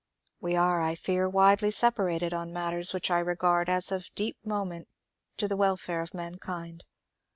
We are, I fear, widely separated on matters which I regard as of deep moment to the welfare of mankind.